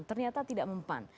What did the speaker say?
ternyata tidak mempan